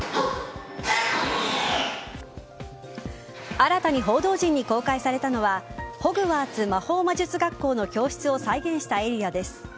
新たに報道陣に公開されたのはホグワーツ魔法魔術学校の教室を再現したエリアです。